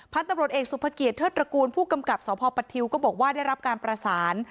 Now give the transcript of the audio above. พันธุ์ตำรวจเอกสุภเกียรเทิดตระกูลผู้กำกับสพปทิวก็บอกว่าได้รับการประสาน